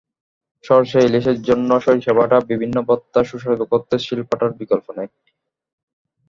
সরষে ইলিশের জন্য সরিষা বাটা, বিভিন্ন ভর্তা সুস্বাদু করতে শিলপাটার বিকল্প নেই।